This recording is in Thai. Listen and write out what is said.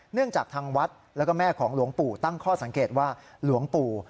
จากทางวัดแล้วก็แม่ของหลวงปู่ตั้งข้อสังเกตว่าหลวงปู่